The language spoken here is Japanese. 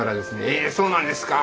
「えそうなんですか」